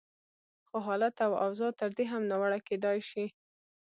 خو حالت او اوضاع تر دې هم ناوړه کېدای شي.